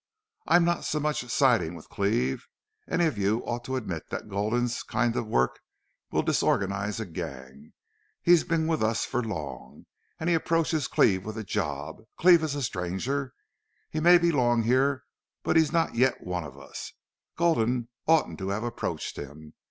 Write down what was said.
I'm not so much siding with Cleve. Any of you ought to admit that Gulden's kind of work will disorganize a gang. He's been with us for long. And he approaches Cleve with a job. Cleve is a stranger. He may belong here, but he's not yet one of us. Gulden oughtn't have approached him.